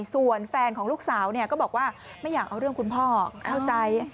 ส่วนแฟนของลูกสาวก็บอกว่าไม่อยากเอาเรื่องคุณพ่อเข้าใจ